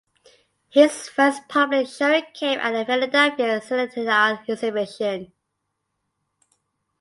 His first public showing came at the Philadelphia Centennial Exhibition.